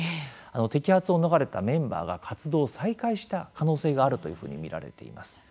摘発を逃れたメンバーが活動を再開した可能性があるというふうに見られています。